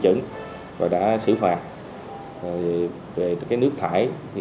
chúng tôi đã xử phạt về nước thải